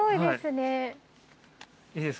はい。